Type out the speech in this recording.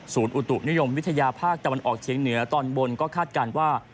อุตุนิยมวิทยาภาคตะวันออกเชียงเหนือตอนบนก็คาดการณ์ว่า